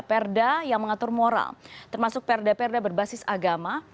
perda yang mengatur moral termasuk perda perda berbasis agama